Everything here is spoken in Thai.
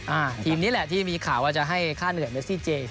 ทีมนี้แหละที่มีข่าวว่าจะให้ค่าเหนื่อยเมซี่เจ